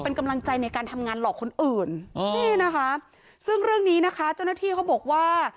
เป็นกำลังใจในการทำงานหลอกคนอื่นนี่นะคะซึ่งเรื่องนี้นะคะเจ้าหน้าที่เขาบอกว่า